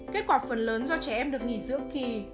kết quả phần lớn do trẻ em được nghỉ giữa kỳ